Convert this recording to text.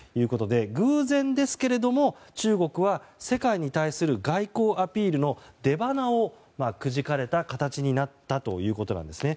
偶然ですけれども、中国は世界に対する外交アピールの出ばなをくじかれた形になったということなんですね。